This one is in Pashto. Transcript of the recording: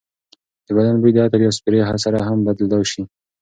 د بدن بوی د عطر یا سپرې سره هم بدلېدای شي.